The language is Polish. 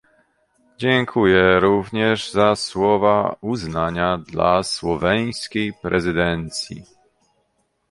Dziękuję również za słowa uznania dla słoweńskiej prezydencji